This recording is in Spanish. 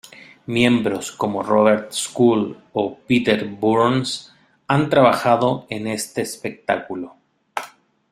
Miembros como Robert Scull o Peter Burns, han trabajado en este espectáculo.